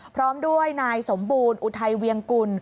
พร้อมด้วยนายสมบูรณ์อุทัยเวียงกุล